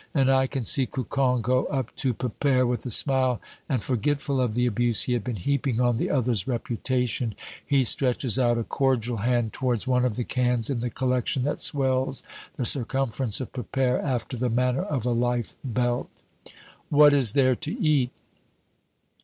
And I see Cocon go up to Pepere with a smile, and forgetful of the abuse he had been heaping on the other's reputation, he stretches out a cordial hand towards one of the cans in the collection that swells the circumference of Pepere, after the manner of a life belt. "What is there to eat?"